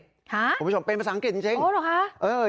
คุณผู้ชมเป็นภาษาอังกฤษจริงโอ้โหเหรอค่ะ